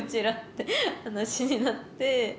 らって話になって。